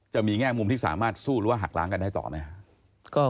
จะมีแง่มุมที่สามารถสู้รั้วหักล้างกันได้ต่อไหมฮะ